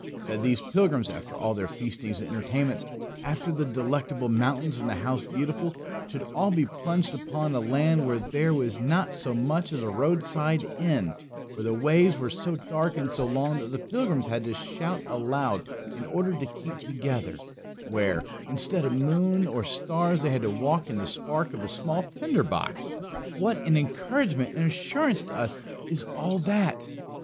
That these pilgrims, after all their feastings and entertainments after the Delectable Mountains and the House Beautiful should all be plunged upon a land where there was not so much as a roadside inn, where the ways were so dark and so long that the pilgrims had to shout aloud in order to keep together, where, instead of moon or stars, they had to walk in the spark of a small tinder box what an encouragement and assurance to us is all that!